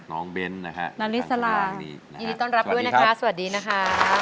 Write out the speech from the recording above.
น้องเบรนดร์นะค่ะ